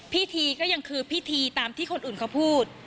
พิธีก็ยังคือพิธีตามที่คนอื่นเขาพูด